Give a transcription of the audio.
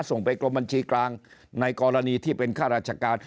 ส่งไปกรมบัญชีกลางในกรณีที่เป็นข้าราชการ